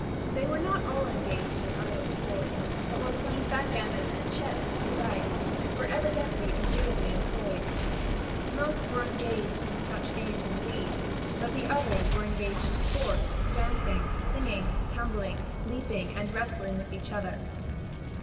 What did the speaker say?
They were not all engaged in idle sport, but were playing backgammon and chess or dice, and were evidently agreeably employed. Most were engaged in such games as these; but the others there were engaged in sports, dancing, singing, tumbling, leaping, and wrestling with each other.